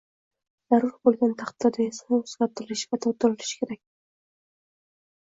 zarur bo‘lgan taqdirda esa o‘zgartirilishi va to‘ldirilishi kerak.